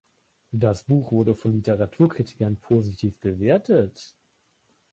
Das Buch wurde von Literaturkritikern positiv bewertet.